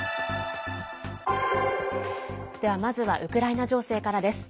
では、まずはウクライナ情勢からです。